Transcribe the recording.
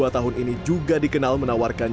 dua tahun ini juga dikenal menawarkan